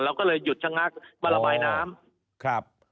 เราก็เลยหยุดชะงักบละบายน้ำ